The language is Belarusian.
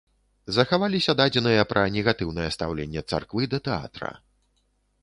Захаваліся дадзеныя пра негатыўнае стаўленне царквы да тэатра.